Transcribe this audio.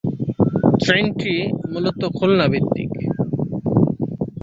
ট্রেনটি মূলত খুলনা ভিত্তিক।